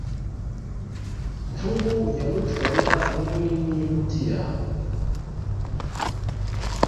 Mvubu yalʼuchwela mubulimi butia.